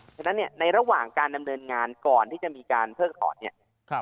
ฉะนั้นเนี่ยในระหว่างการดำเนินงานก่อนที่จะมีการเพิกถอนเนี่ย